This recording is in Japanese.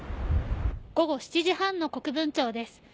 午後７時半の国分町です。